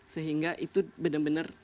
sehingga itu benar benar